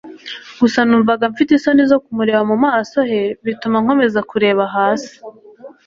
gusa numvaga mfite isoni zo kumureba mumaso he bituma nkomeza kureba hasi